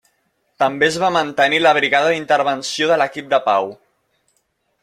També es va mantenir la brigada d'intervenció de l'equip de pau.